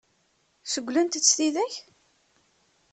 Cewwlent-tt tidak?